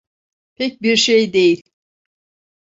Pek bir şey değil.